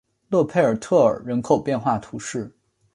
勒佩尔特尔人口变化图示